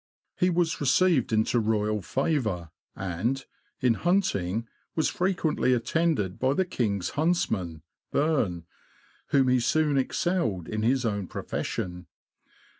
He was received into Royal favour, and, in hunting, was frequently attended by the king's huntsman, Bern, LOWESTOFT TO NORWICH. 51 whom he soon excelled in his own profession.